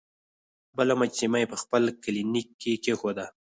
بله مجسمه یې په خپل کلینیک کې کیښوده.